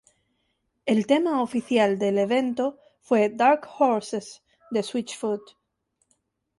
El tema oficial del evento fue "Dark Horses" de Switchfoot.